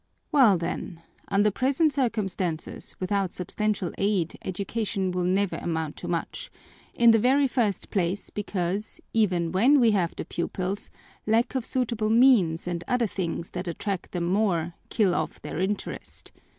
Well then, under present circumstances, without substantial aid education will never amount to much; in the very first place because, even when we have the pupils, lack of suitable means, and other things that attract them more, kill off their interest.